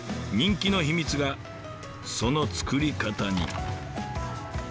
人気の秘密がその作り方に。